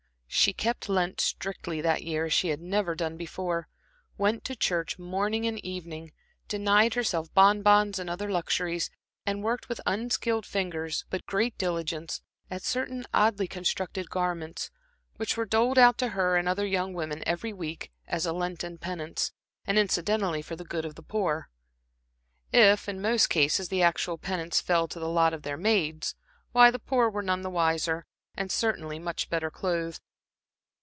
She kept Lent strictly that year as she had never done before, went to church morning and evening, denied herself bonbons and other luxuries, and worked with unskilled fingers but great diligence at certain oddly constructed garments which were doled out to her and other young women every week as a Lenten penance, and incidentally for the good of the poor. If in most cases the actual penance fell to the lot of their maids, why, the poor were none the wiser, and certainly much the better clothed.